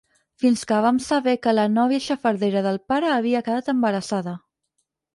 Fins que vam saber que la nòvia xafardera del pare havia quedat embarassada.